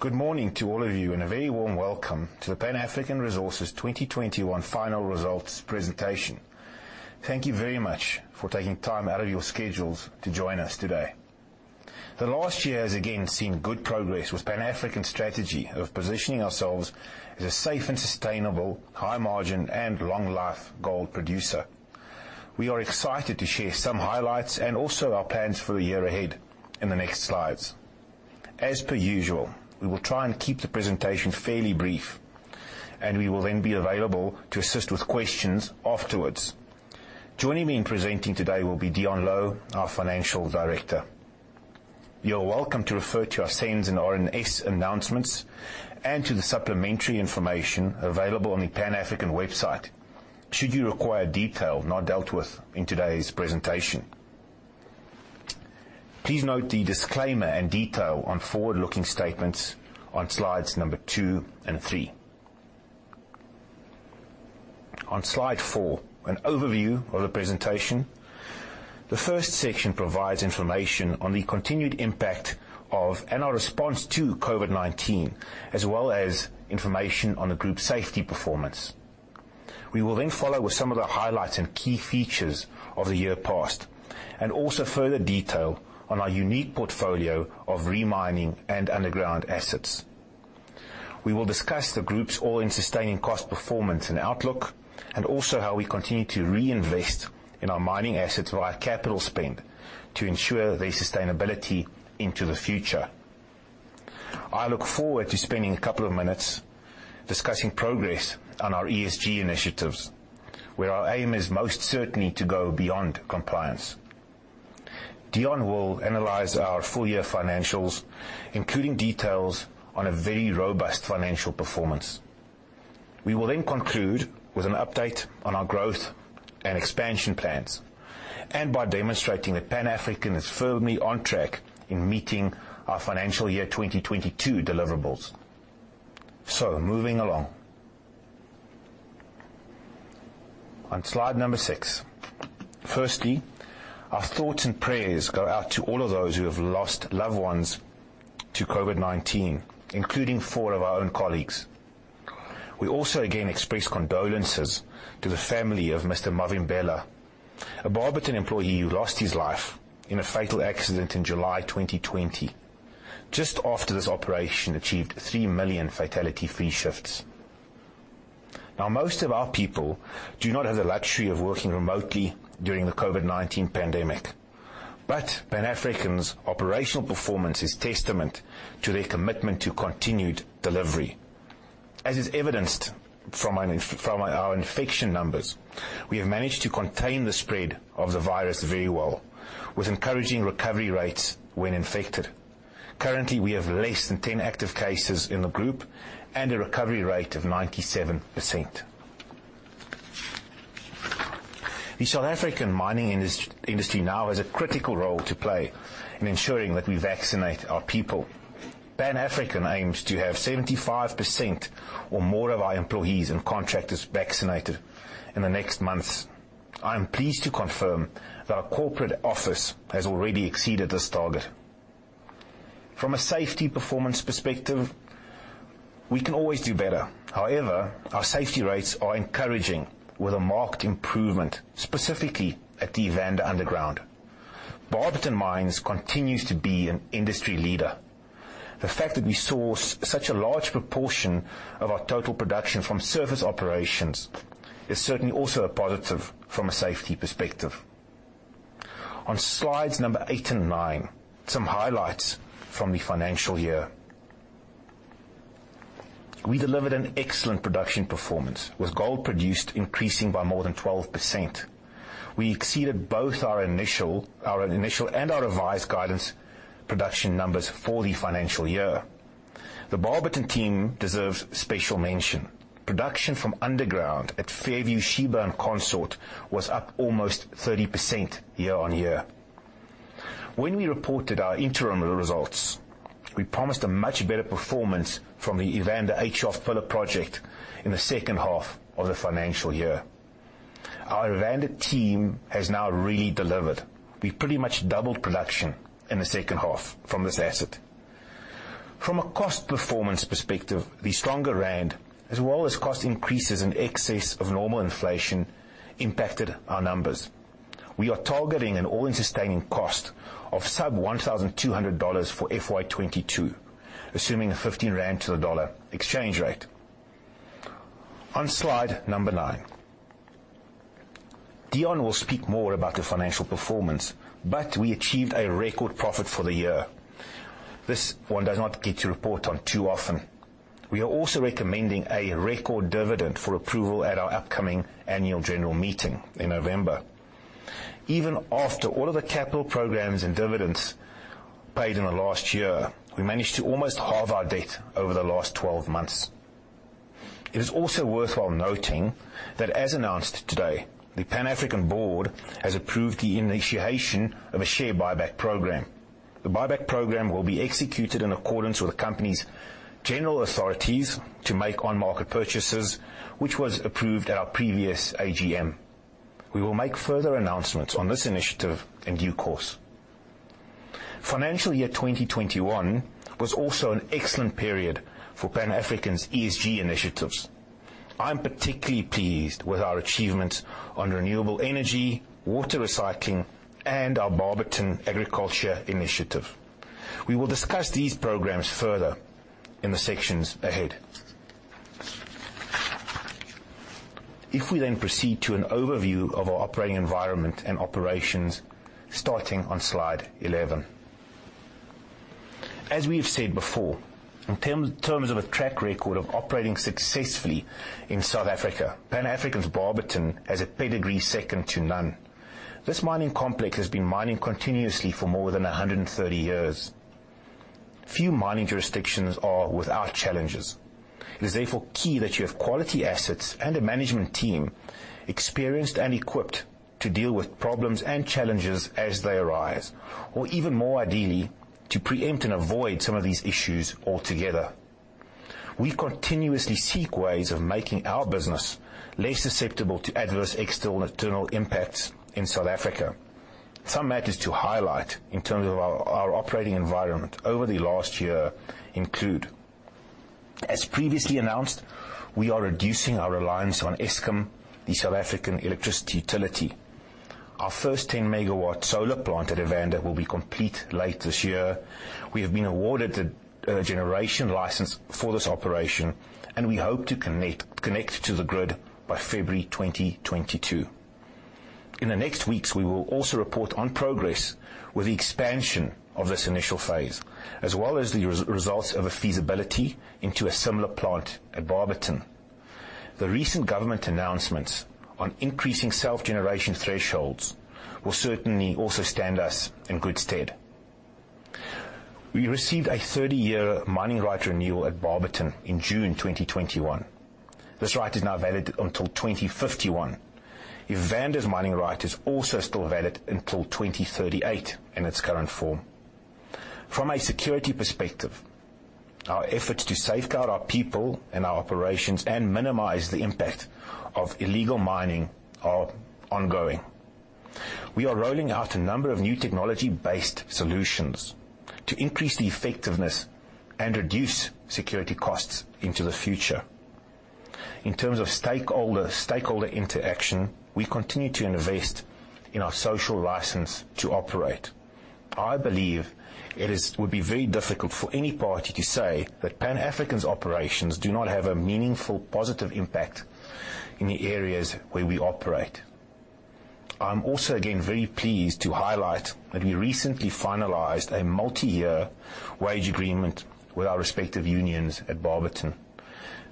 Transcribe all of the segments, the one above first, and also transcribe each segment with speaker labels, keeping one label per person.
Speaker 1: Good morning to all of you. A very warm welcome to the Pan African Resources 2021 final results presentation. Thank you very much for taking time out of your schedules to join us today. The last year has again seen good progress with Pan African's strategy of positioning ourselves as a safe and sustainable high margin and long life gold producer. We are excited to share some highlights and also our plans for the year ahead in the next slides. As per usual, we will try and keep the presentation fairly brief. We will then be available to assist with questions afterwards. Joining me in presenting today will be Deon Louw, our Financial Director. You are welcome to refer to our SENS and RNS announcements and to the supplementary information available on the Pan African website should you require detail not dealt with in today's presentation. Please note the disclaimer and detail on forward-looking statements on slides number two and three. On slide four, an overview of the presentation. The first section provides information on the continued impact of, and our response to COVID-19, as well as information on the group's safety performance. We will follow with some of the highlights and key features of the year past, and also further detail on our unique portfolio of re-mining and underground assets. We will discuss the group's all-in sustaining cost performance and outlook, and also how we continue to reinvest in our mining assets via capital spend to ensure their sustainability into the future. I look forward to spending a couple of minutes discussing progress on our ESG initiatives, where our aim is most certainly to go beyond compliance. Deon will analyze our full year financials, including details on a very robust financial performance. We will then conclude with an update on our growth and expansion plans, and by demonstrating that Pan African is firmly on track in meeting our financial year 2022 deliverables. Moving along. On slide number six. Firstly, our thoughts and prayers go out to all of those who have lost loved ones to Covid-19, including four of our own colleagues. We also, again, express condolences to the family of Mr. Mavimbela, a Barberton employee who lost his life in a fatal accident in July 2020, just after this operation achieved 3 million fatality-free shifts. Most of our people do not have the luxury of working remotely during the Covid-19 pandemic. Pan African's operational performance is testament to their commitment to continued delivery. As is evidenced from our infection numbers, we have managed to contain the spread of the virus very well, with encouraging recovery rates when infected. Currently, we have less than 10 active cases in the group, and a recovery rate of 97%. The South African mining industry now has a critical role to play in ensuring that we vaccinate our people. Pan African aims to have 75% or more of our employees and contractors vaccinated in the next months. I am pleased to confirm that our corporate office has already exceeded this target. From a safety performance perspective, we can always do better. However, our safety rates are encouraging, with a marked improvement, specifically at the Evander Underground. Barberton Mines continues to be an industry leader. The fact that we source such a large proportion of our total production from surface operations is certainly also a positive from a safety perspective. On slides number eight and nine, some highlights from the financial year. We delivered an excellent production performance, with gold produced increasing by more than 12%. We exceeded both our initial and our revised guidance production numbers for the financial year. The Barberton team deserves special mention. Production from underground at Fairview, Sheba, and Consort was up almost 30% year-on-year. When we reported our interim results, we promised a much better performance from the Evander 8 Shaft pillar project in the second half of the financial year. Our Evander team has now really delivered. We pretty much doubled production in the second half from this asset. From a cost performance perspective, the stronger rand, as well as cost increases in excess of normal inflation impacted our numbers. We are targeting an all-in sustaining cost of sub $1,200 for FY 2022, assuming a 15 rand to the dollar exchange rate. On slide number nine. Deon will speak more about the financial performance. We achieved a record profit for the year. This one does not get to report on too often. We are also recommending a record dividend for approval at our upcoming annual general meeting in November. Even after all of the capital programs and dividends paid in the last year, we managed to almost halve our debt over the last 12 months. It is also worthwhile noting that as announced today, the Pan African board has approved the initiation of a share buyback program. The buyback program will be executed in accordance with the company's general authorities to make on-market purchases, which was approved at our previous AGM. We will make further announcements on this initiative in due course. Financial year 2021 was also an excellent period for Pan African's ESG initiatives. I'm particularly pleased with our achievements on renewable energy, water recycling, and our Barberton Agriculture initiative. We will discuss these programs further in the sections ahead. If we then proceed to an overview of our operating environment and operations, starting on slide 11. As we have said before, in terms of a track record of operating successfully in South Africa, Pan African's Barberton has a pedigree second to none. This mining complex has been mining continuously for more than 130 years. Few mining jurisdictions are without challenges. It is therefore key that you have quality assets and a management team experienced and equipped to deal with problems and challenges as they arise, or even more ideally, to preempt and avoid some of these issues altogether. We continuously seek ways of making our business less susceptible to adverse external and internal impacts in South Africa. Some matters to highlight in terms of our operating environment over the last year include, as previously announced, we are reducing our reliance on Eskom, the South African electricity utility. Our first 10 MW solar plant at Evander will be complete late this year. We have been awarded a generation license for this operation, and we hope to connect to the grid by February 2022. The next weeks, we will also report on progress with the expansion of this initial phase, as well as the results of a feasibility into a similar plant at Barberton. The recent government announcements on increasing self-generation thresholds will certainly also stand us in good stead. We received a 30-year mining right renewal at Barberton in June 2021. This right is now valid until 2051. Evander's mining right is also still valid until 2038 in its current form. From a security perspective, our efforts to safeguard our people and our operations and minimize the impact of illegal mining are ongoing. We are rolling out a number of new technology-based solutions to increase the effectiveness and reduce security costs into the future. In terms of stakeholder interaction, we continue to invest in our social license to operate. I believe it would be very difficult for any party to say that Pan African's operations do not have a meaningful, positive impact in the areas where we operate. I'm also, again, very pleased to highlight that we recently finalized a multi-year wage agreement with our respective unions at Barberton.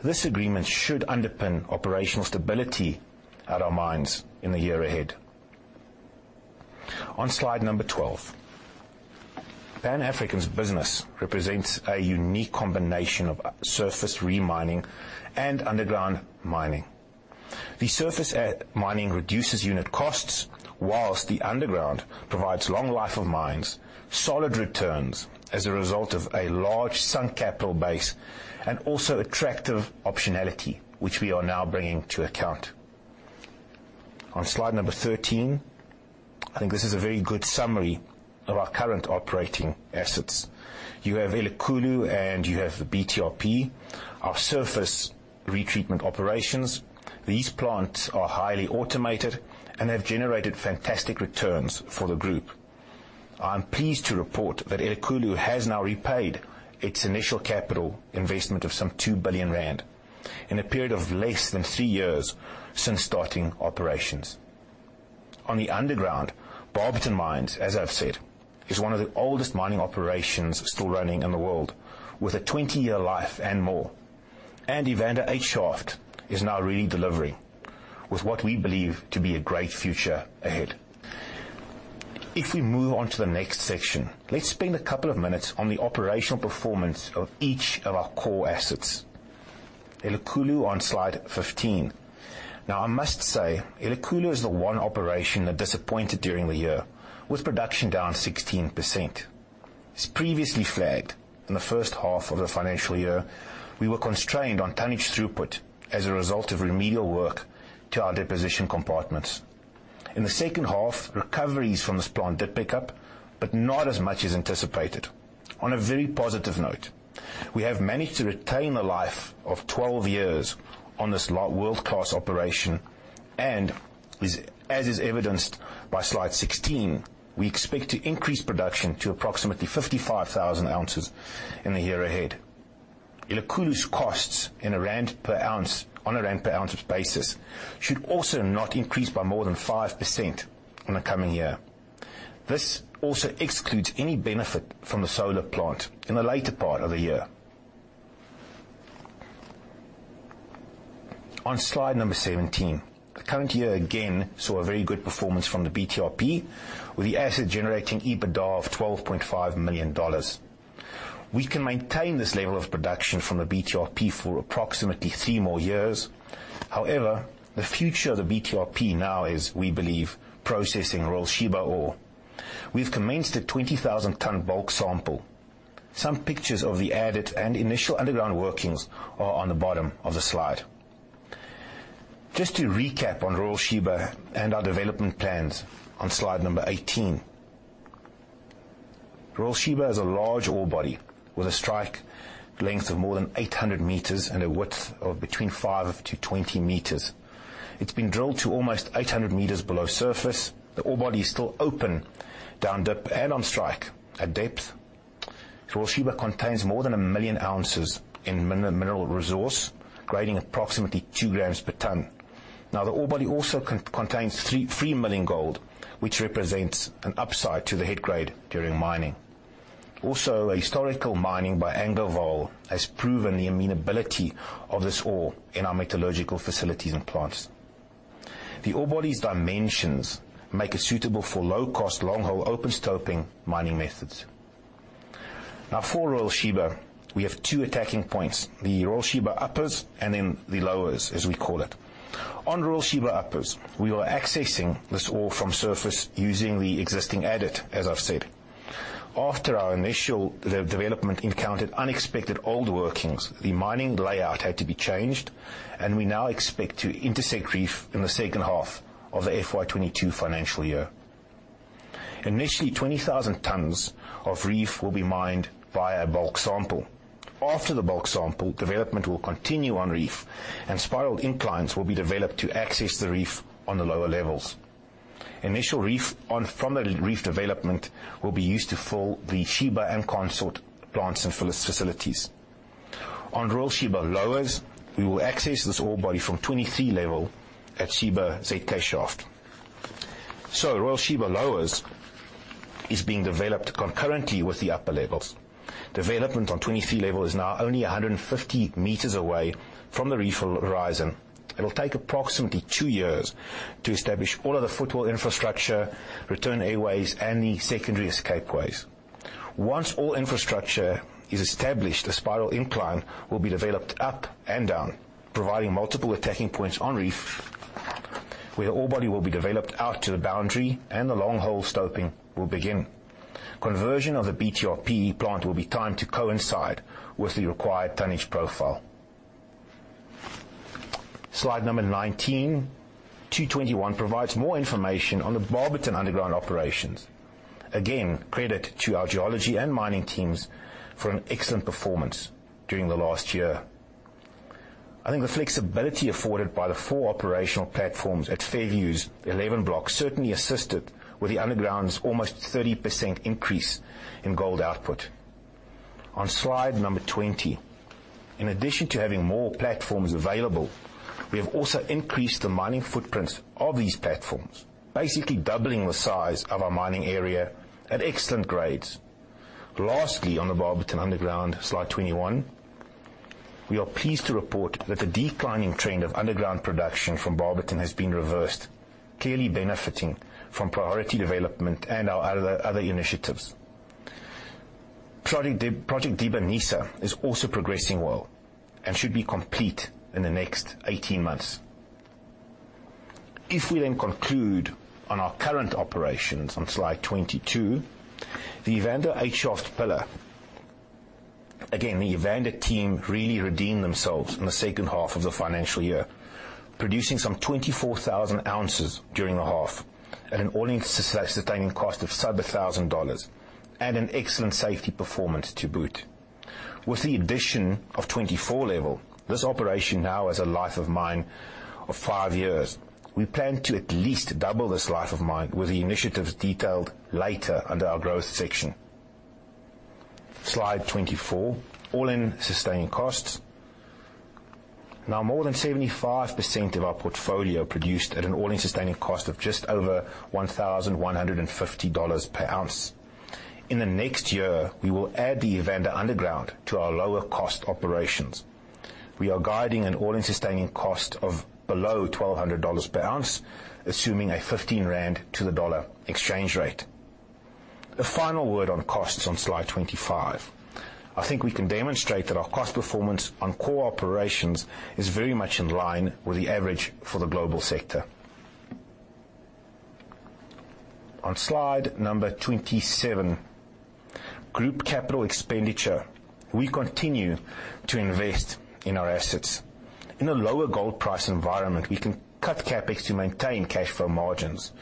Speaker 1: This agreement should underpin operational stability at our mines in the year ahead. On slide number 12. Pan African's business represents a unique combination of surface re-mining and underground mining. The surface mining reduces unit costs, whilst the underground provides long life of mines, solid returns as a result of a large sunk capital base, and also attractive optionality, which we are now bringing to account. On slide number 13, I think this is a very good summary of our current operating assets. You have Elikhulu and you have the BTRP, our surface retreatment operations. These plants are highly automated and have generated fantastic returns for the group. I'm pleased to report that Elikhulu has now repaid its initial capital investment of some 2 billion rand in a period of less than three years since starting operations. On the underground, Barberton Mines, as I've said, is one of the oldest mining operations still running in the world with a 20-year life and more. Evander 8 Shaft is now really delivering with what we believe to be a great future ahead. If we move on to the next section, let's spend a couple of minutes on the operational performance of each of our core assets. Elikhulu on slide 15. I must say, Elikhulu is the one operation that disappointed during the year, with production down 16%. As previously flagged in the first half of the financial year, we were constrained on tonnage throughput as a result of remedial work to our deposition compartments. In the second half, recoveries from this plant did pick up, but not as much as anticipated. A very positive note, we have managed to retain a life of 12 years on this world-class operation, and as is evidenced by slide 16, we expect to increase production to approximately 55,000 ounces in the year ahead. Elikhulu's costs on a rand per ounce basis should also not increase by more than 5% in the coming year. This also excludes any benefit from the solar plant in the later part of the year. On slide number 17. The current year, again, saw a very good performance from the BTRP, with the asset generating EBITDA of $12.5 million. We can maintain this level of production from the BTRP for approximately three more years. However, the future of the BTRP now is, we believe, processing Royal Sheba ore. We've commenced a 20,000 ton bulk sample. Some pictures of the adit and initial underground workings are on the bottom of the slide. Just to recap on Royal Sheba and our development plans on slide number 18. Royal Sheba is a large ore body with a strike length of more than 800 m and a width of between 5-20 m. It's been drilled to almost 800 m below surface. The ore body is still open down dip and on strike at depth. Royal Sheba contains more than 1 million ounces in mineral resource, grading approximately 2 g/t. The ore body also contains free-milling gold, which represents an upside to the head grade during mining. Historical mining by Anglovaal has proven the amenability of this ore in our metallurgical facilities and plants. The ore body's dimensions make it suitable for low cost, long-hole open stoping mining methods. For Royal Sheba, we have two attacking points, the Royal Sheba uppers and then the lowers, as we call it. On Royal Sheba uppers, we are accessing this ore from surface using the existing adit, as I've said. After our initial development encountered unexpected old workings, the mining layout had to be changed, and we now expect to intersect reef in the second half of the FY 2022 financial year. Initially, 20,000 tons of reef will be mined via a bulk sample. After the bulk sample, development will continue on reef, and spiral inclines will be developed to access the reef on the lower levels. Initial reef from the reef development will be used to fill the Sheba and Consort plants and facilities. On Royal Sheba lowers, we will access this ore body from 23 level at Sheba ZK Shaft. Royal Sheba lowers is being developed concurrently with the upper levels. Development on 23 level is now only 150 m away from the reef horizon. It'll take approximately two years to establish all of the footwall infrastructure, return airways, and the secondary escape ways. Once all infrastructure is established, a spiral incline will be developed up and down, providing multiple attacking points on reef, where the ore body will be developed out to the boundary and the long-hole open stoping will begin. Conversion of the BTRP plant will be timed to coincide with the required tonnage profile. Slide number 19-21 provides more information on the Barberton underground operations. Again, credit to our geology and mining teams for an excellent performance during the last year. I think the flexibility afforded by the four operational platforms at Fairview's 11 blocks certainly assisted with the underground's almost 30% increase in gold output. On slide number 20, in addition to having more platforms available, we have also increased the mining footprints of these platforms, basically doubling the size of our mining area at excellent grades. Lastly, on the Barberton underground, slide 21. We are pleased to report that the declining trend of underground production from Barberton has been reversed, clearly benefiting from priority development and our other initiatives. Project Dibanisa is also progressing well and should be complete in the next 18 months. If we conclude on our current operations on slide 22, the Evander 8 Shaft pillar. Again, the Evander team really redeemed themselves in the second half of the financial year, producing some 24,000 ounces during the half at an all-in sustaining cost of sub $1,000, and an excellent safety performance to boot. With the addition of 24 level, this operation now has a life of mine of five years. We plan to at least double this life of mine with the initiatives detailed later under our growth section. Slide 24, all-in sustaining costs. Now more than 75% of our portfolio produced at an all-in sustaining cost of just over $1,150 per ounce. In the next year, we will add the Evander underground to our lower cost operations. We are guiding an all-in sustaining cost of below $1,200 per ounce, assuming a 15 rand to the dollar exchange rate. A final word on costs on slide 25. I think we can demonstrate that our cost performance on core operations is very much in line with the average for the global sector. On slide number 27, group capital expenditure. We continue to invest in our assets. In a lower gold price environment, we can cut CapEx to maintain cash flow margins.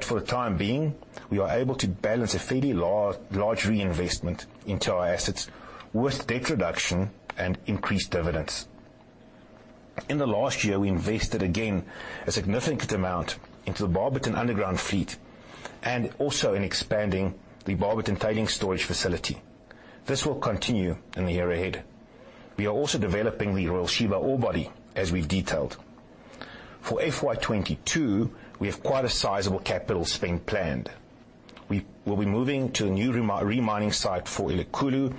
Speaker 1: For the time being, we are able to balance a fairly large reinvestment into our assets with debt reduction and increased dividends. In the last year, we invested again, a significant amount into the Barberton underground fleet, and also in expanding the Barberton Tailings Storage Facility. This will continue in the year ahead. We are also developing the Royal Sheba orebody, as we've detailed. For FY 2022, we have quite a sizable capital spend planned. We will be moving to a new remining site for Elikhulu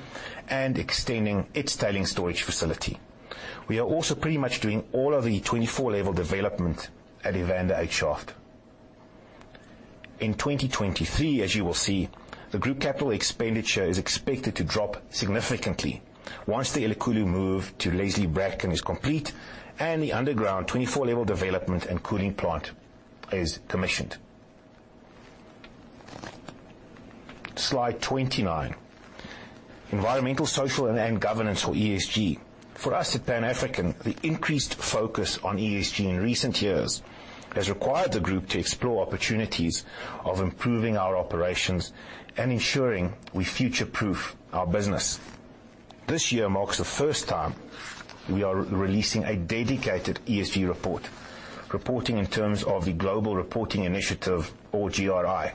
Speaker 1: and extending its Tailings Storage Facility. We are also pretty much doing all of the 24-level development at Evander 8 Shaft. In 2023, as you will see. The group capital expenditure is expected to drop significantly once the Elikhulu move to Leslie/Bracken is complete and the underground 24-level development and cooling plant is commissioned. Slide 29, environmental, social, and governance or ESG. For us at Pan African, the increased focus on ESG in recent years has required the group to explore opportunities of improving our operations and ensuring we future-proof our business. This year marks the first time we are releasing a dedicated ESG report, reporting in terms of the Global Reporting Initiative or GRI.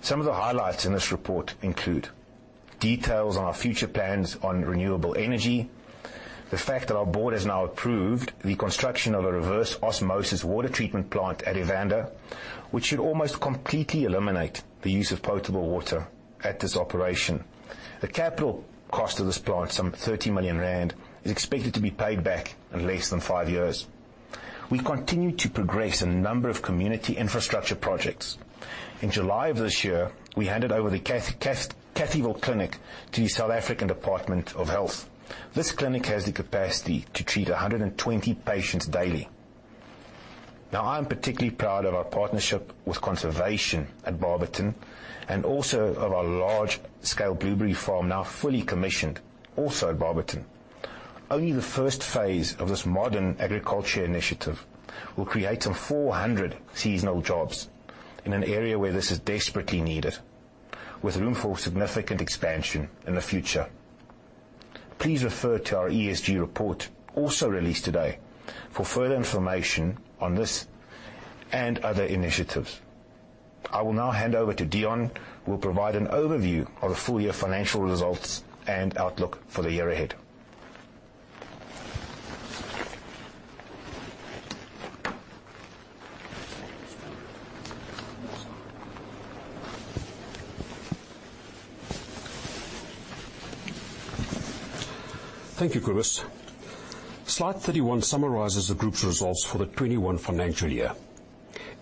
Speaker 1: Some of the highlights in this report include details on our future plans on renewable energy, the fact that our board has now approved the construction of a reverse osmosis water treatment plant at Evander, which should almost completely eliminate the use of potable water at this operation. The capital cost of this plant, some 30 million rand, is expected to be paid back in less than five years. We continue to progress a number of community infrastructure projects. In July of this year, we handed over the Cathyville Clinic to the South African Department of Health. This clinic has the capacity to treat 120 patients daily. Now, I'm particularly proud of our partnership with conservation at Barberton and also of our large-scale blueberry farm, now fully commissioned, also at Barberton. Only the first phase of this modern agriculture initiative will create some 400 seasonal jobs in an area where this is desperately needed, with room for significant expansion in the future. Please refer to our ESG report, also released today, for further information on this and other initiatives. I will now hand over to Deon who will provide an overview of the full year financial results and outlook for the year ahead.
Speaker 2: Thank you, Cobus. Slide 31 summarizes the group's results for the 2021 financial year.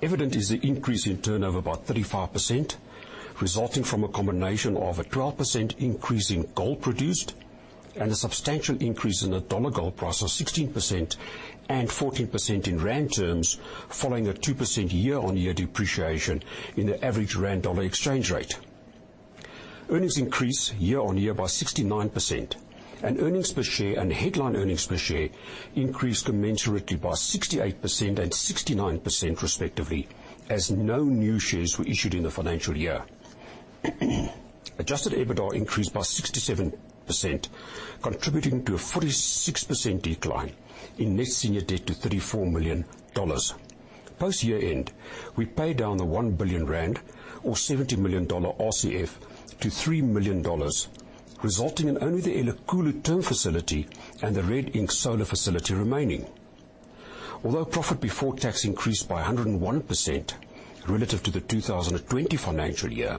Speaker 2: Evident is the increase in turnover by 35%, resulting from a combination of a 12% increase in gold produced and a substantial increase in the dollar gold price of 16% and 14% in rand terms, following a 2% year-on-year depreciation in the average rand-dollar exchange rate. Earnings increased year-on-year by 69%, earnings per share and headline earnings per share increased commensurately by 68% and 69% respectively, as no new shares were issued in the financial year. Adjusted EBITDA increased by 67%, contributing to a 46% decline in net senior debt to $34 million. Post year-end, we paid down the 1 billion rand, or $70 million RCF to $3 million, resulting in only the Elikhulu term facility and the RedInk solar facility remaining. Although profit before tax increased by 101% relative to the 2020 financial year,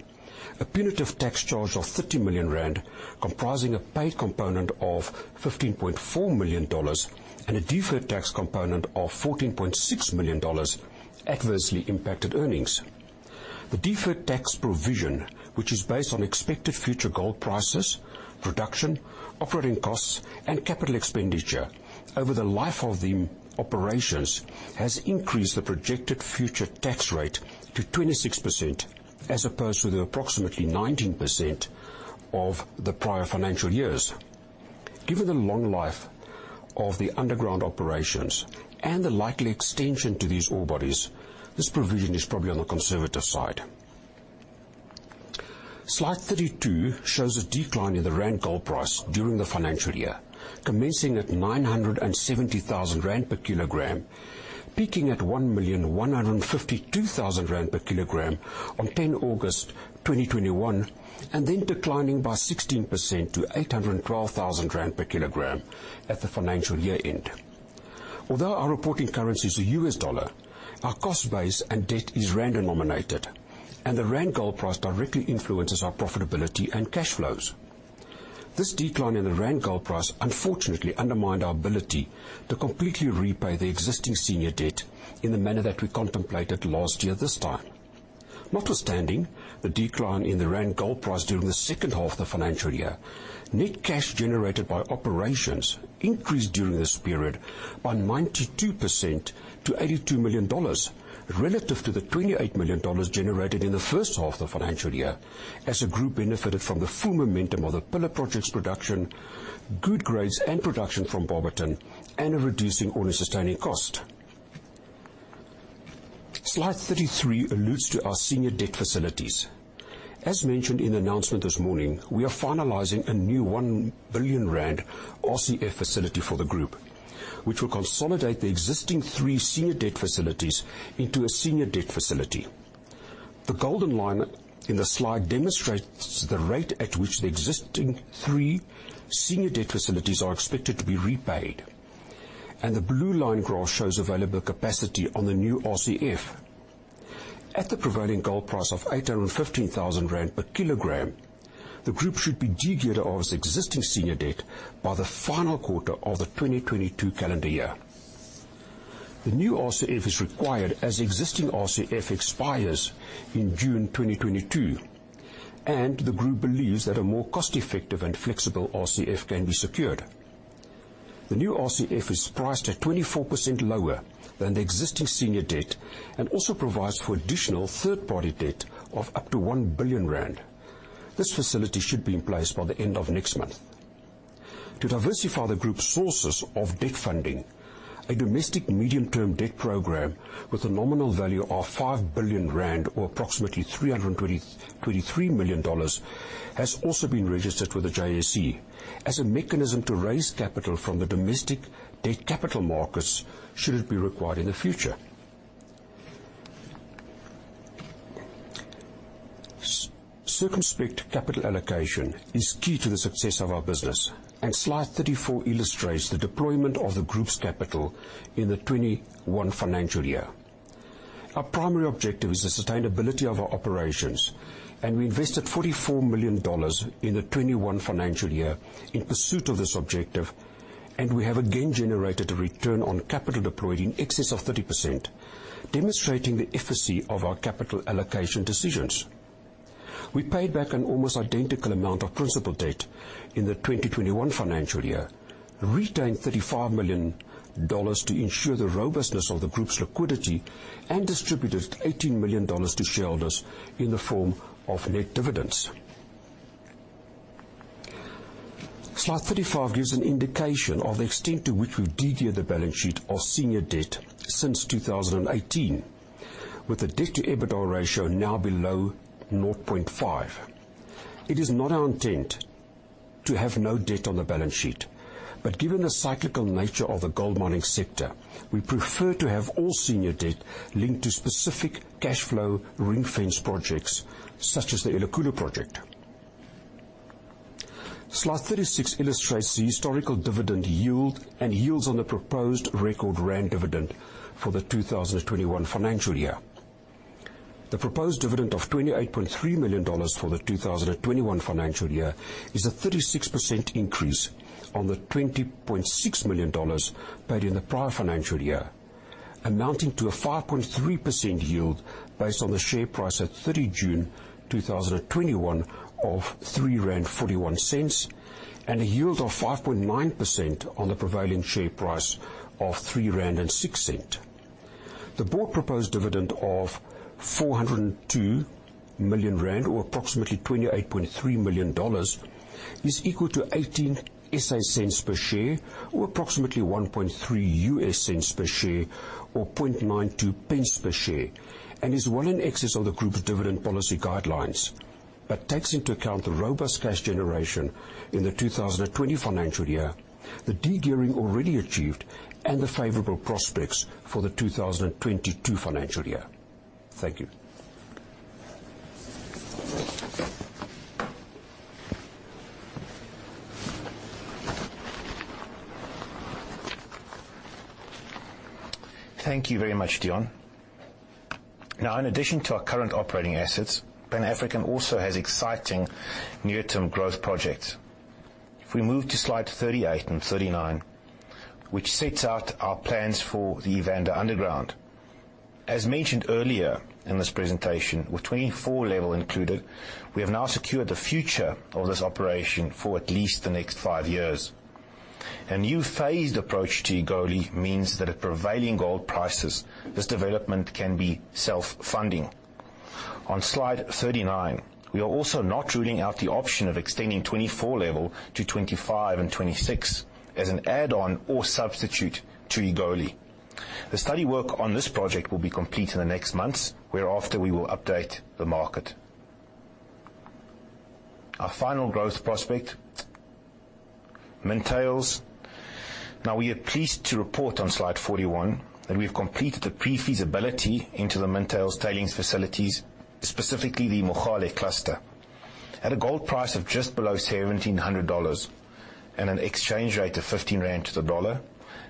Speaker 2: a punitive tax charge of 50 million rand, comprising a paid component of $15.4 million and a deferred tax component of $14.6 million adversely impacted earnings. The deferred tax provision, which is based on expected future gold prices, production, operating costs, and capital expenditure over the life of the operations, has increased the projected future tax rate to 26%, as opposed to the approximately 19% of the prior financial years. Given the long life of the underground operations and the likely extension to these ore bodies, this provision is probably on the conservative side. Slide 32 shows a decline in the rand gold price during the financial year, commencing at 970,000 rand per kg, peaking at 1,152,000 rand per kg on 10 August 2021, and then declining by 16% to 812,000 rand per kg at the financial year-end. Although our reporting currency is the U.S. dollar, our cost base and debt is rand denominated, and the rand gold price directly influences our profitability and cash flows. This decline in the rand gold price unfortunately undermined our ability to completely repay the existing senior debt in the manner that we contemplated last year this time. Notwithstanding the decline in the rand gold price during the second half of the financial year, net cash generated by operations increased during this period by 92% to $82 million, relative to the $28 million generated in the first half of the financial year, as the group benefited from the full momentum of the pillar projects production, good grades and production from Barberton, and a reducing all-in sustaining cost. Slide 33 alludes to our senior debt facilities. As mentioned in the announcement this morning, we are finalizing a new 1 billion rand RCF facility for the group, which will consolidate the existing three senior debt facilities into a senior debt facility. The golden line in the slide demonstrates the rate at which the existing three senior debt facilities are expected to be repaid, and the blue line graph shows available capacity on the new RCF. At the prevailing gold price of 815,000 rand per kg, the group should be de-geared of its existing senior debt by the final quarter of the 2022 calendar year. The new RCF is required as existing RCF expires in June 2022, and the group believes that a more cost-effective and flexible RCF can be secured. The new RCF is priced at 24% lower than the existing senior debt and also provides for additional third-party debt of up to 1 billion rand. This facility should be in place by the end of next month. To diversify the group's sources of debt funding, a domestic medium-term debt program with a nominal value of 5 billion rand or approximately $323 million has also been registered with the JSE as a mechanism to raise capital from the domestic debt capital markets should it be required in the future. Circumspect capital allocation is key to the success of our business. Slide 34 illustrates the deployment of the group's capital in the 2021 financial year. Our primary objective is the sustainability of our operations. We invested $44 million in the 2021 financial year in pursuit of this objective. We have again generated a return on capital deployed in excess of 30%, demonstrating the efficacy of our capital allocation decisions. We paid back an almost identical amount of principal debt in the 2021 financial year, retained $35 million to ensure the robustness of the group's liquidity, distributed $18 million to shareholders in the form of net dividends. Slide 35 gives an indication of the extent to which we've de-geared the balance sheet of senior debt since 2018, with the debt to EBITDA ratio now below 0.5x. It is not our intent to have no debt on the balance sheet, but given the cyclical nature of the gold mining sector, we prefer to have all senior debt linked to specific cash flow ring-fence projects such as the Elikhulu project. Slide 36 illustrates the historical dividend yield and yields on the proposed record rand dividend for the 2021 financial year. The proposed dividend of $28.3 million for the 2021 financial year is a 36% increase on the $20.6 million paid in the prior financial year, amounting to a 5.3% yield based on the share price at 30 June 2021 of 3.41 rand, and a yield of 5.9% on the prevailing share price of 3.06 rand. The board proposed dividend of 402 million rand or approximately $28.3 million, is equal to 0.18 per share or approximately $0.013 per share or 0.0092 per share, and is well in excess of the group's dividend policy guidelines, but takes into account the robust cash generation in the 2020 financial year, the de-gearing already achieved, and the favorable prospects for the 2022 financial year. Thank you.
Speaker 1: Thank you very much, Deon. In addition to our current operating assets, Pan African also has exciting near-term growth projects. We move to slide 38 and 39, which sets out our plans for the Evander Underground. As mentioned earlier in this presentation, with 24 Level included, we have now secured the future of this operation for at least the next five years. A new phased approach to Egoli means that at prevailing gold prices, this development can be self-funding. On slide 39, we are also not ruling out the option of extending 24 Level to 25 and 26 as an add-on or substitute to Egoli. The study work on this project will be complete in the next months, whereafter we will update the market. Our final growth prospect, Mintails. Now we are pleased to report on slide 41 that we've completed the pre-feasibility into the Mintails tailings facilities, specifically the Mogale cluster. At a gold price of just below $1,700 and an exchange rate of 15 rand to the dollar,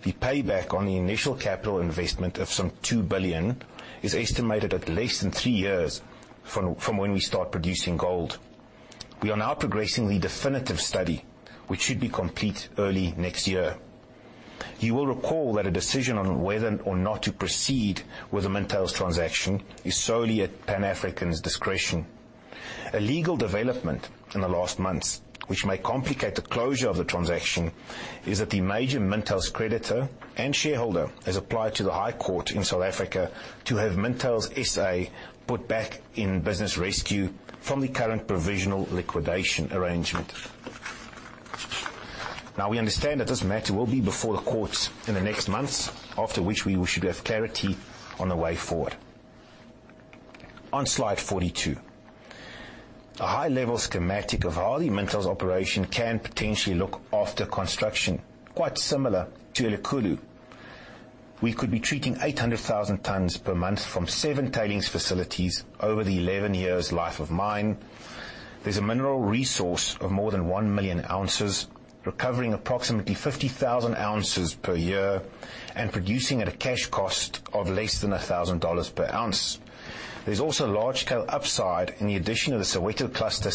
Speaker 1: the payback on the initial capital investment of some 2 billion is estimated at less than three years from when we start producing gold. We are now progressing the definitive study, which should be complete early next year. You will recall that a decision on whether or not to proceed with the Mintails transaction is solely at Pan African's discretion. A legal development in the last months, which may complicate the closure of the transaction, is that the major Mintails creditor and shareholder has applied to the High Court of South Africa to have Mintails SA put back in business rescue from the current provisional liquidation arrangement. We understand that this matter will be before the courts in the next months, after which we should have clarity on the way forward. On slide 42, a high-level schematic of how the Mintails operation can potentially look after construction, quite similar to Elikhulu. We could be treating 800,000 tons per month from seven tailings facilities over the 11 years' life of mine. There's a mineral resource of more than 1 million ounces, recovering approximately 50,000 ounces per year and producing at a cash cost of less than $1,000 per ounce. There's also large scale upside in the addition of the Soweto cluster,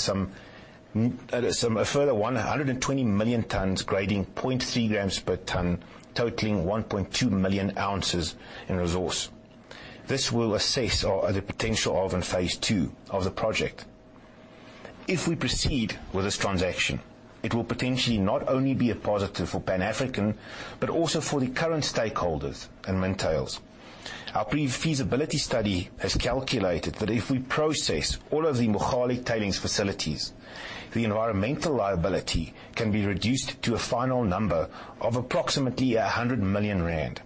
Speaker 1: a further 120 million tons grading 0.3 g/t, totaling 1.2 million ounces in resource. This will assess the potential of in Phase 2 of the project. If we proceed with this transaction, it will potentially not only be a positive for Pan African, but also for the current stakeholders in Mintails. Our pre-feasibility study has calculated that if we process all of the Mogale Tailings facilities, the environmental liability can be reduced to a final number of approximately 100 million rand,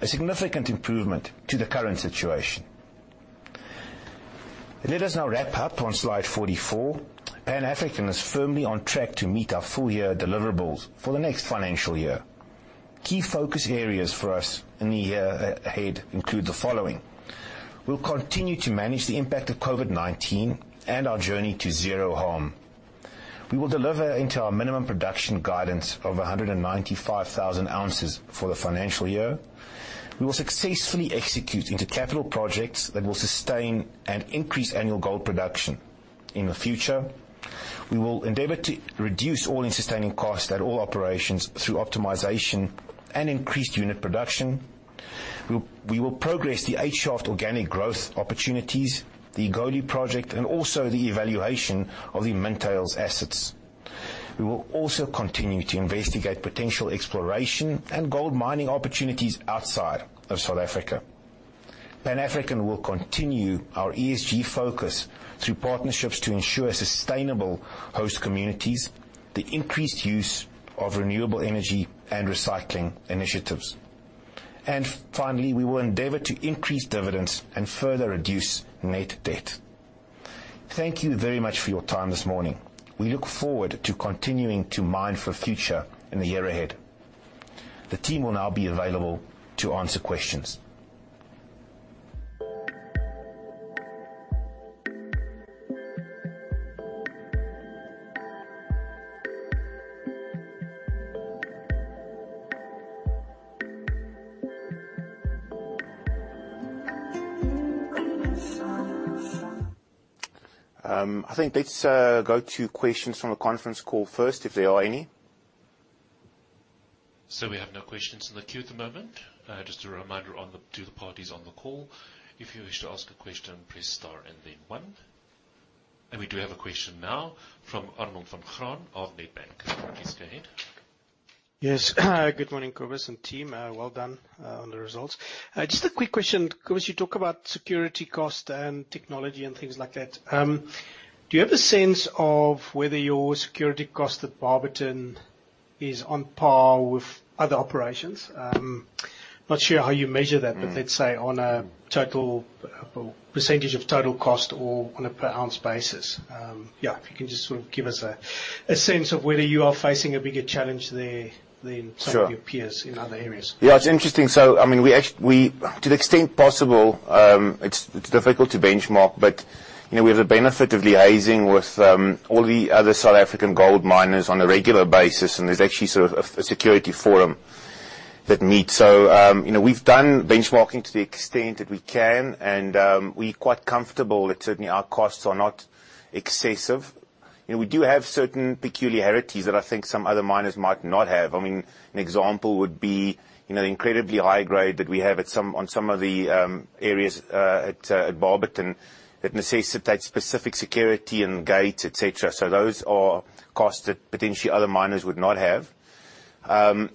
Speaker 1: a significant improvement to the current situation. Let us now wrap up on slide 44. Pan African is firmly on track to meet our full year deliverables for the next financial year. Key focus areas for us in the year ahead include the following. We'll continue to manage the impact of COVID-19 and our journey to zero harm. We will deliver into our minimum production guidance of 195,000 ounces for the financial year. We will successfully execute into capital projects that will sustain and increase annual gold production in the future. We will endeavor to reduce all-in sustaining costs at all operations through optimization and increased unit production. We will progress the 8 shaft organic growth opportunities, the Egoli project, and also the evaluation of the Mintails assets. We will also continue to investigate potential exploration and gold mining opportunities outside of South Africa. Pan African will continue our ESG focus through partnerships to ensure sustainable host communities, the increased use of renewable energy and recycling initiatives. Finally, we will endeavor to increase dividends and further reduce net debt. Thank you very much for your time this morning. We look forward to continuing to mine for future in the year ahead. The team will now be available to answer questions. I think let's go to questions from the conference call first, if there are any.
Speaker 3: Sir, we have no questions in the queue at the moment. Just a reminder to the parties on the call, if you wish to ask a question, press star and then one. We do have a question now from Arnold Van Graan of Nedbank. Please go ahead.
Speaker 4: Yes. Good morning, Cobus and team. Well done on the results. Just a quick question. Cobus, you talk about security cost and technology and things like that. Do you have a sense of whether your security cost at Barberton is on par with other operations? I am not sure how you measure that, but let's say on a percentage of total cost or on a per ounce basis. If you can just sort of give us a sense of whether you are facing a bigger challenge there than some of your peers in other areas.
Speaker 1: Sure. It's interesting. To the extent possible, it's difficult to benchmark, but we have the benefit of liaising with all the other South African gold miners on a regular basis, and there's actually sort of a security forum that meets. We've done benchmarking to the extent that we can, and we're quite comfortable that certainly our costs are not excessive. We do have certain peculiarities that I think some other miners might not have. An example would be the incredibly high grade that we have on some of the areas at Barberton that necessitate specific security and gates, et cetera. Those are costs that potentially other miners would not have.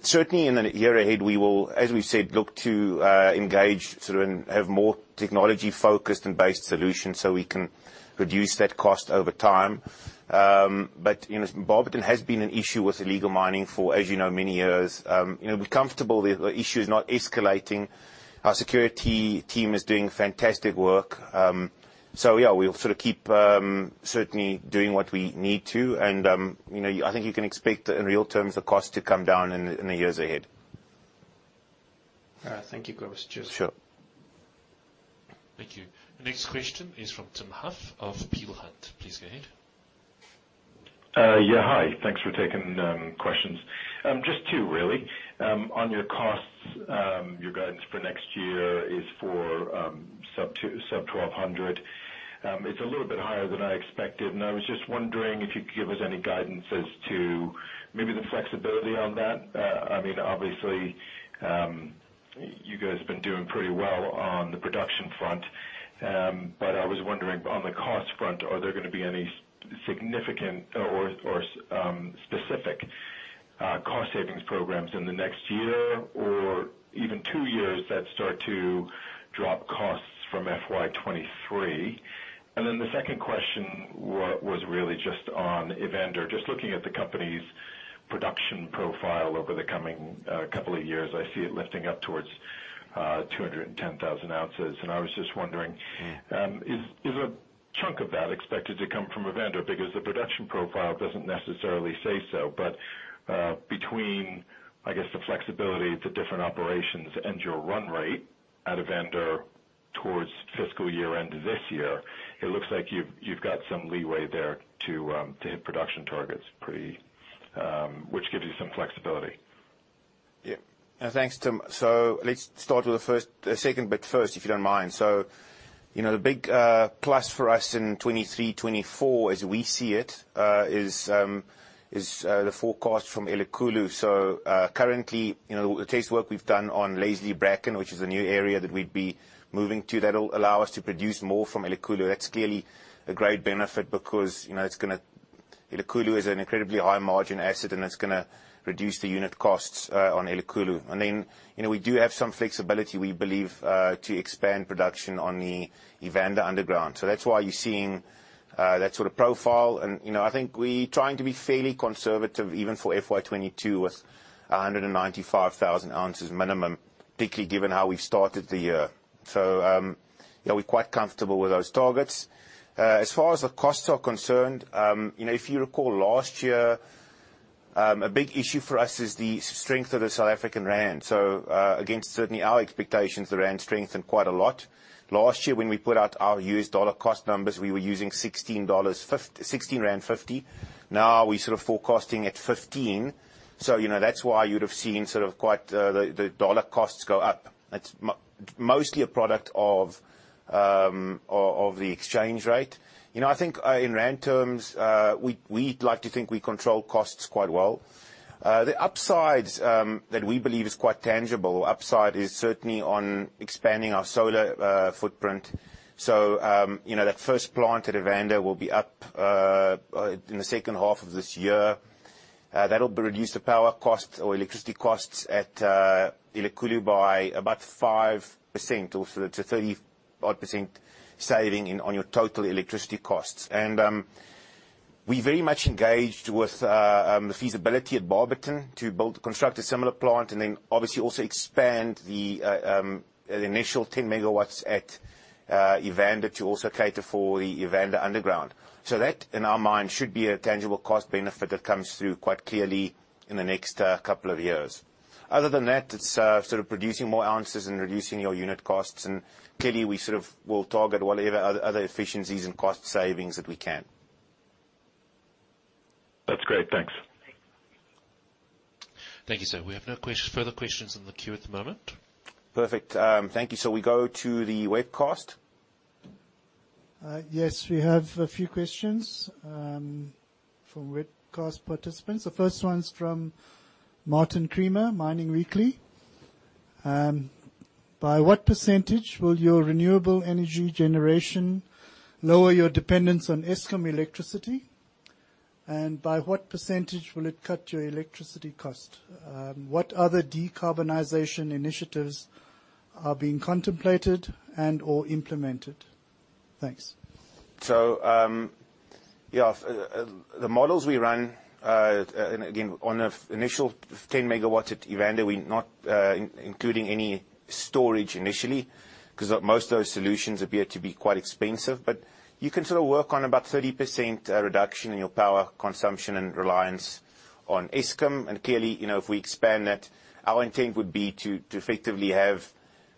Speaker 1: Certainly in the year ahead, we will, as we said, look to engage, sort of have more technology-focused and based solutions so we can reduce that cost over time. Barberton has been an issue with illegal mining for, as you know, many years. We're comfortable the issue is not escalating. Our security team is doing fantastic work. Yeah, we'll sort of keep certainly doing what we need to, and I think you can expect, in real terms, the cost to come down in the years ahead.
Speaker 4: All right. Thank you, Cobus. Cheers.
Speaker 1: Sure.
Speaker 3: Thank you. The next question is from Tim Huff of Peel Hunt. Please go ahead.
Speaker 5: Yeah, hi. Thanks for taking questions. Just two, really. On your costs, your guidance for next year is for sub $1,200. It's a little bit higher than I expected, and I was just wondering if you could give us any guidance as to maybe the flexibility on that. Obviously, you guys have been doing pretty well on the production front. I was wondering, on the cost front, are there going to be any significant or specific cost savings programs in the next year or even two years that start to drop costs from FY 2023? The second question was really just on Evander. Just looking at the company's production profile over the coming couple of years, I see it lifting up towards 210,000 ounces. I was just wondering, is a chunk of that expected to come from Evander? Because the production profile doesn't necessarily say so. Between, I guess, the flexibility, the different operations, and your run rate at Evander towards fiscal year-end this year, it looks like you've got some leeway there to hit production targets, which gives you some flexibility.
Speaker 1: Thanks, Tim. Let's start with the second bit first, if you don't mind. The big plus for us in 2023, 2024, as we see it, is the forecast from Elikhulu. Currently, the test work we've done on Leslie/Bracken, which is a new area that we'd be moving to, that'll allow us to produce more from Elikhulu. That's clearly a great benefit because Elikhulu is an incredibly high margin asset, and it's going to reduce the unit costs on Elikhulu. We do have some flexibility, we believe, to expand production on the Evander underground. That's why you're seeing that sort of profile. I think we trying to be fairly conservative even for FY 2022 with 195,000 ounces minimum, particularly given how we've started the year. We're quite comfortable with those targets. As far as the costs are concerned, if you recall last year, a big issue for us is the strength of the South African rand. Against certainly our expectations, the rand strengthened quite a lot. Last year when we put out our US dollar cost numbers, we were using ZAR 16.50. Now we're sort of forecasting at 15. That's why you'd have seen the dollar costs go up. It's mostly a product of the exchange rate. I think, in rand terms, we'd like to think we control costs quite well. The upsides, that we believe is quite tangible, upside is certainly on expanding our solar footprint. That first plant at Evander will be up in the second half of this year. That'll reduce the power costs or electricity costs at Elikhulu by about 5% or to 35% saving on your total electricity costs. We very much engaged with the feasibility at Barberton to construct a similar plant and then obviously also expand the initial 10 MW at Evander to also cater for the Evander underground. That, in our mind, should be a tangible cost benefit that comes through quite clearly in the next couple of years. It's sort of producing more ounces and reducing your unit costs, and clearly, we sort of will target whatever other efficiencies and cost savings that we can.
Speaker 5: That's great. Thanks.
Speaker 3: Thank you, sir. We have no further questions in the queue at the moment.
Speaker 1: Perfect. Thank you. We go to the webcast.
Speaker 6: Yes, we have a few questions from webcast participants. The first one's from Martin Creamer, Mining Weekly. By what percentage will your renewable energy generation lower your dependence on Eskom electricity, and by what percentage will it cut your electricity cost? What other decarbonization initiatives are being contemplated and/or implemented? Thanks.
Speaker 1: Yeah. The models we run, and again, on the initial 10 MW at Evander, we're not including any storage initially because most of those solutions appear to be quite expensive. You can sort of work on about 30% reduction in your power consumption and reliance on Eskom, and clearly, if we expand that, our intent would be to effectively have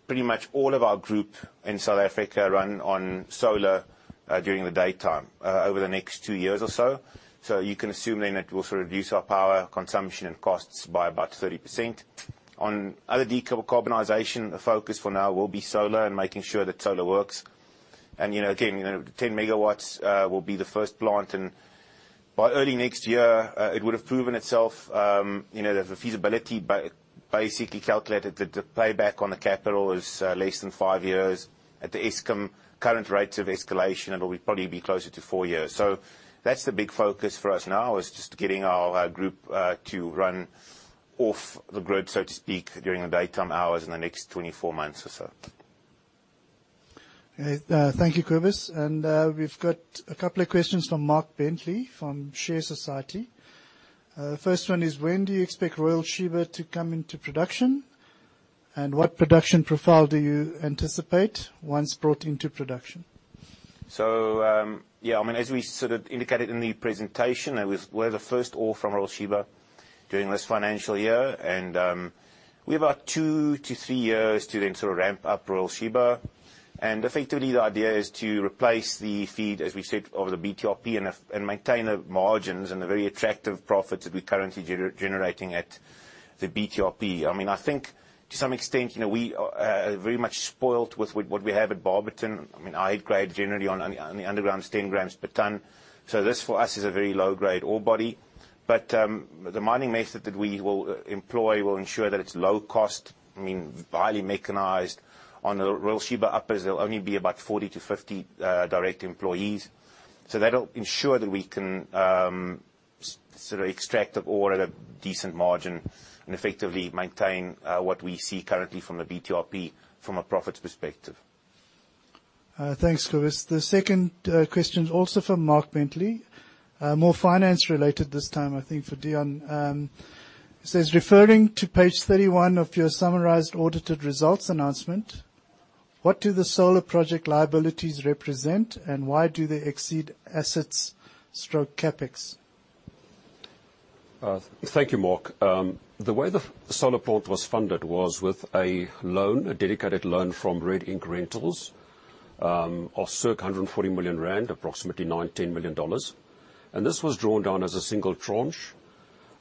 Speaker 1: pretty much all of our group in South Africa run on solar during the daytime over the next two years or so. You can assume then it will sort of reduce our power consumption and costs by about 30%. On other decarbonization, the focus for now will be solar and making sure that solar works. Again, 10 MW will be the first plant, and by early next year, it would have proven itself. The feasibility basically calculated that the payback on the capital is less than five years. At the Eskom current rates of escalation, it will probably be closer to four years. That's the big focus for us now, is just getting our group to run off the grid, so to speak, during the daytime hours in the next 24 months or so.
Speaker 6: Okay. Thank you, Cobus. We've got a couple of questions from Mark Bentley from ShareSoc. The first one is, when do you expect Royal Sheba to come into production, and what production profile do you anticipate once brought into production?
Speaker 1: Yeah, as we sort of indicated in the presentation, we're the first ore from Royal Sheba during this financial year. We have about two to three years to then sort of ramp up Royal Sheba. Effectively, the idea is to replace the feed, as we said, over the BTRP and maintain the margins and the very attractive profits that we're currently generating at the BTRP. I think to some extent, we are very much spoiled with what we have at Barberton. I mean, high grade generally on the underground is 10 g/t. This for us is a very low-grade ore body. The mining method that we will employ will ensure that it's low cost, highly mechanized. On the Royal Sheba uppers, there'll only be about 40-50 direct employees. That'll ensure that we can sort of extract the ore at a decent margin and effectively maintain what we see currently from the BTRP from a profits perspective.
Speaker 6: Thanks, Cobus. The second question is also from Mark Bentley. More finance related this time, I think for Deon. It says, referring to page 31 of your summarized audited results announcement, what do the solar project liabilities represent, and why do they exceed assets/CapEx?
Speaker 2: Thank you, Mark. The way the solar plant was funded was with a loan, a dedicated loan from RedInk Rentals, of circa 140 million rand, approximately $19 million. This was drawn down as a single tranche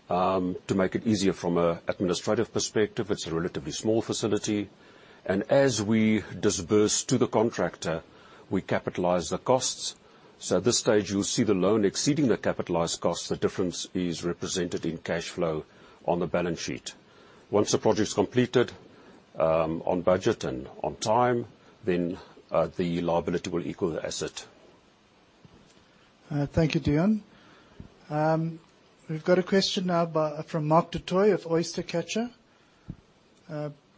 Speaker 2: to make it easier from an administrative perspective. It's a relatively small facility. As we disperse to the contractor, we capitalize the costs. At this stage, you'll see the loan exceeding the capitalized costs. The difference is represented in cash flow on the balance sheet. Once the project's completed on budget and on time, then the liability will equal the asset.
Speaker 6: Thank you, Deon. We've got a question now from Mark du Toit of OysterCatcher.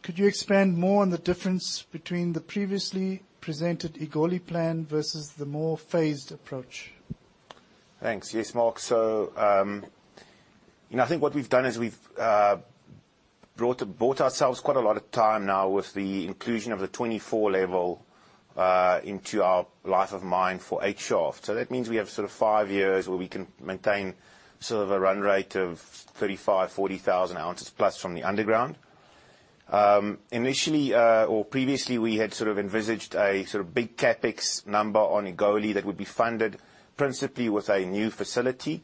Speaker 6: Could you expand more on the difference between the previously presented Egoli plan versus the more phased approach?
Speaker 1: Thanks. Yes, Mark. I think what we've done is we've bought ourselves quite a lot of time now with the inclusion of the 24 Level into our life of mine for 8 Shaft. That means we have five years where we can maintain a run rate of 35,000-40,000 ounces+ from the underground. Initially, or previously, we had envisaged a big CapEx number on Egoli that would be funded principally with a new facility.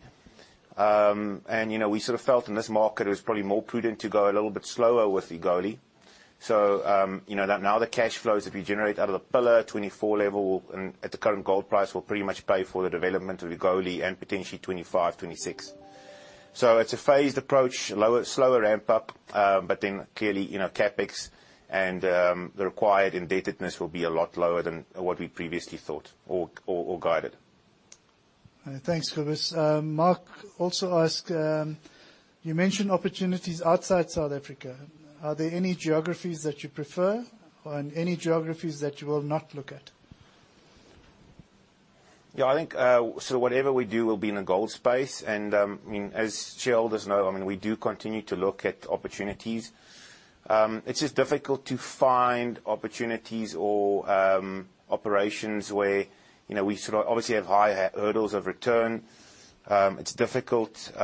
Speaker 1: We felt in this market it was probably more prudent to go a little bit slower with Egoli. Now the cash flows, if you generate out of the pillar 24 Level at the current gold price, will pretty much pay for the development of Egoli and potentially 2025, 2026. It's a phased approach, slower ramp-up. Clearly, CapEx and the required indebtedness will be a lot lower than what we previously thought or guided.
Speaker 6: Thanks, Cobus. Mark also asked, you mentioned opportunities outside South Africa. Are there any geographies that you prefer or any geographies that you will not look at?
Speaker 1: I think whatever we do will be in the gold space, as shareholders know, we do continue to look at opportunities. It's just difficult to find opportunities or operations where we obviously have high hurdles of return. It's difficult. We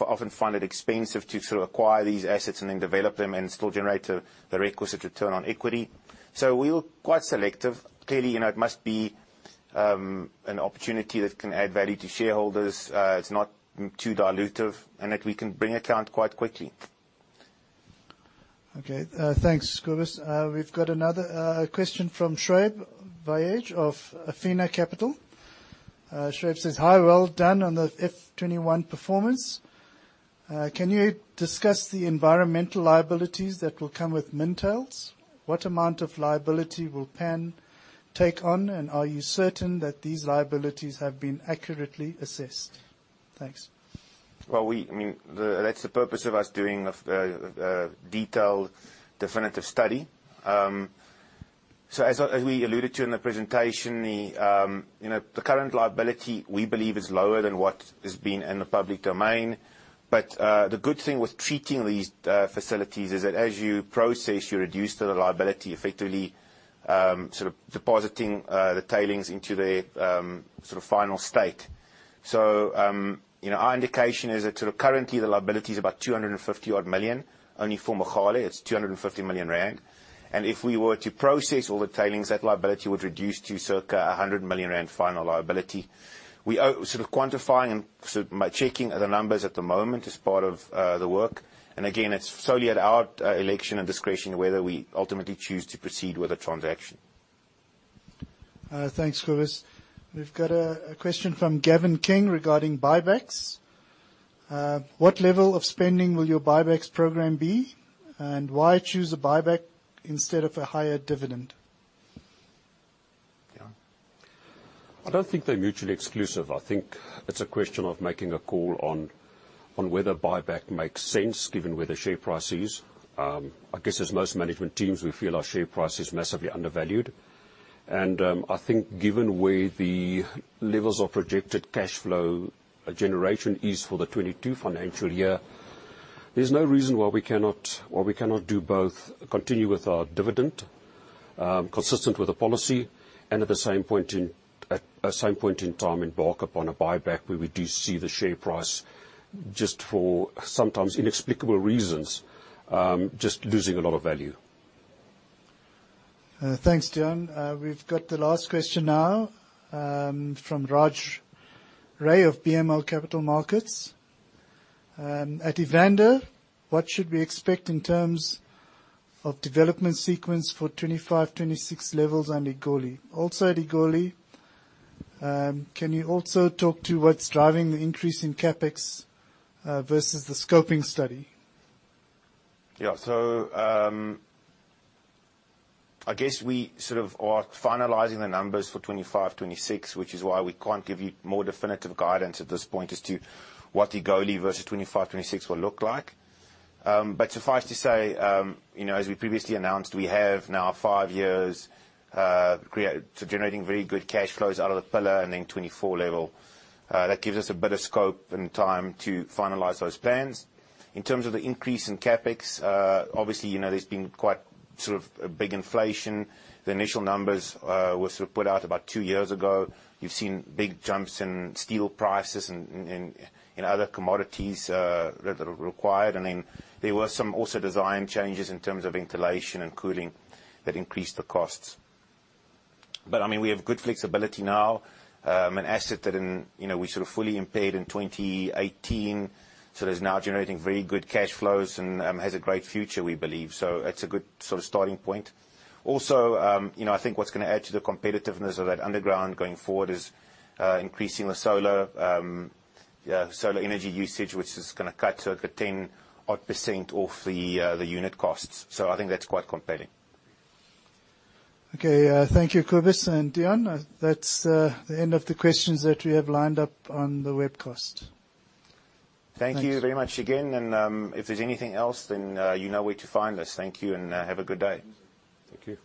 Speaker 1: often find it expensive to acquire these assets and then develop them and still generate the requisite return on equity. We're quite selective. Clearly, it must be an opportunity that can add value to shareholders, it's not too dilutive, and that we can bring to account quite quickly.
Speaker 6: Okay. Thanks, Cobus. We've got another question from Shoaib Vayej of Afena Capital. Shoaib says, hi, well done on the FY 2021 performance. Can you discuss the environmental liabilities that will come with Mintails? What amount of liability will Pan take on, and are you certain that these liabilities have been accurately assessed? Thanks.
Speaker 1: That's the purpose of us doing a detailed definitive study. As we alluded to in the presentation, the current liability, we believe, is lower than what has been in the public domain. The good thing with treating these facilities is that as you process, you reduce the liability effectively, sort of depositing the tailings into their final state. Our indication is that currently the liability is about 250 million, only for Mogale it's 250 million rand. If we were to process all the tailings, that liability would reduce to circa 100 million rand final liability. We are quantifying and checking the numbers at the moment as part of the work. Again, it's solely at our election and discretion whether we ultimately choose to proceed with a transaction.
Speaker 6: Thanks, Cobus. We've got a question from Gavin King regarding buybacks. What level of spending will your buybacks program be, and why choose a buyback instead of a higher dividend? Deon?
Speaker 2: I don't think they're mutually exclusive. I think it's a question of making a call on whether buyback makes sense given where the share price is. I guess as most management teams, we feel our share price is massively undervalued. I think given where the levels of projected cash flow generation is for the FY 2022 financial year, there's no reason why we cannot do both, continue with our dividend, consistent with the policy, and at the same point in time embark upon a buyback where we do see the share price just for sometimes inexplicable reasons, just losing a lot of value.
Speaker 6: Thanks, Deon. We've got the last question now, from Raj Ray of BMO Capital Markets. At Evander, what should we expect in terms of development sequence for 25, 26 Levels on Egoli? Also at Egoli, can you also talk to what's driving the increase in CapEx versus the scoping study?
Speaker 1: Yeah. I guess we are finalizing the numbers for 2025, 2026, which is why we can't give you more definitive guidance at this point as to what Egoli versus 2025, 2026 will look like. Suffice to say, as we previously announced, we have now five years generating very good cash flows out of the pillar and then 24 Level. That gives us a bit of scope and time to finalize those plans. In terms of the increase in CapEx, obviously, there's been quite a big inflation. The initial numbers were put out about two years ago. You've seen big jumps in steel prices and other commodities that are required. There were some also design changes in terms of ventilation and cooling that increased the costs. We have good flexibility now, an asset that we fully impaired in 2018, so that's now generating very good cash flows and has a great future, we believe. That's a good starting point. Also, I think what's going to add to the competitiveness of that underground going forward is increasing the solar energy usage, which is going to cut 10% off the unit costs. I think that's quite compelling.
Speaker 6: Okay. Thank you, Cobus and Deon. That's the end of the questions that we have lined up on the webcast. Thanks.
Speaker 1: Thank you very much again, and if there's anything else, then you know where to find us. Thank you and have a good day.
Speaker 2: Thank you.